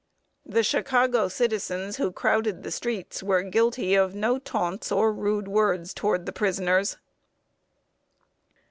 The Chicago citizens, who crowded the streets, were guilty of no taunts or rude words toward the prisoners.